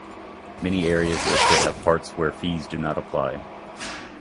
Many areas listed have parts where fees do not apply.